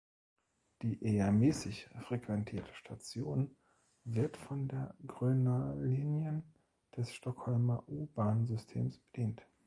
Die eher mäßig frequentierte Station wird von der Gröna linjen des Stockholmer U-Bahn-Systems bedient.